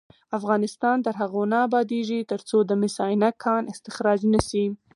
افغانستان تر هغو نه ابادیږي، ترڅو د مس عینک کان استخراج نشي.